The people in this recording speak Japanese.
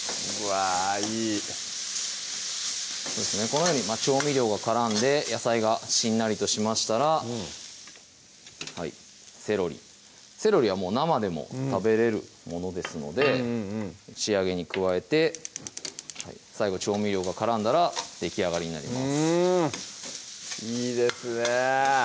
このように調味料が絡んで野菜がしんなりとしましたらセロリセロリはもう生でも食べれるものですので仕上げに加えて最後調味料が絡んだらできあがりになりますうんいいですね